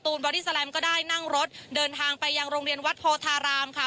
บอดี้แลมก็ได้นั่งรถเดินทางไปยังโรงเรียนวัดโพธารามค่ะ